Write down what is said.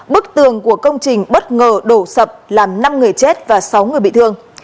bức tường của công trình bất ngờ đổ sập làm năm người chết và sáu người bị thương